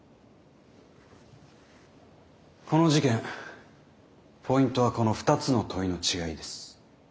この事件ポイントはこの２つの問いの違いです。